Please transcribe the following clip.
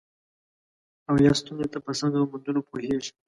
او یا ستونزې ته په سم ځواب موندلو پوهیږي.